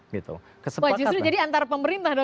justru jadi antara pemerintah